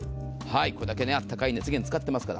これだけあったかい熱源使ってますから。